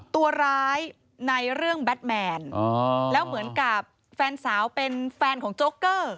ตัวร้ายในเรื่องแบทแมนแล้วเหมือนกับแฟนสาวเป็นแฟนของโจ๊กเกอร์